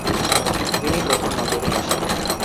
তিনি প্রথম নজরে আসেন।